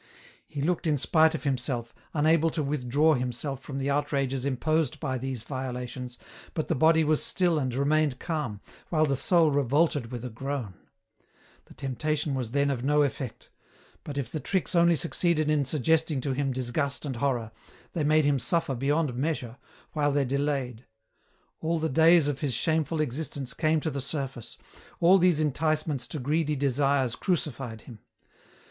He looked in spite of himself, unable to withdraw himself from the outrages imposed by these violations, but the body was still and remained calm, while the soul revolted with a groan ; the temptation was then of no effect ; but if the tricks only succeeded in suggesting to him disgust and horror, they made him suffer beyond measure, while they EN ROUTE. 249 delayed ; all the days of his shameful existence came to the surface, all these enticements to greedy desires crucified him.